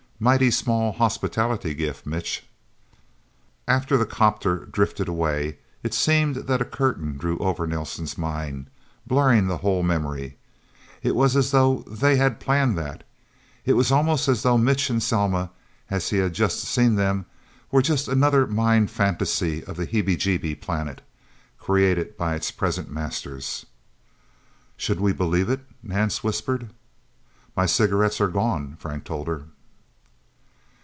Mighty small hospitality gift, Mitch..." After the 'copter drifted away, it seemed that a curtain drew over Nelsen's mind, blurring the whole memory. It was as though they had planned that. It was almost as though Mitch, and Selma, as he had just seen them, were just another mind fantasy of the Heebie Jeebie Planet, created by its present masters. "Should we believe it?" Nance whispered. "My cigarettes are gone," Frank told her.